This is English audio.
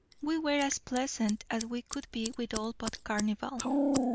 We were as pleasant as we could be with all but Carnival.